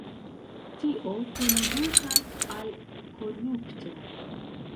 Tio kondukas al korupto.